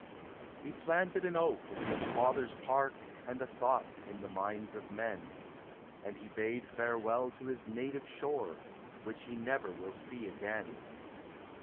He planted an oak in his father's park And a thought in the minds of men, And he bade farewell to his native shore, Which he never will see again.